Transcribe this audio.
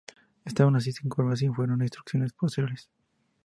Está aún sin comprobar si fueron intrusiones posteriores.